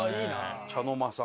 茶の間さんね。